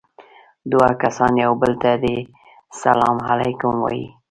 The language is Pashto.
دوه کسان يو بل ته دې سلام عليکم ووايي.